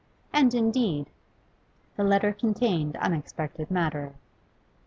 And, indeed, the letter contained unexpected matter.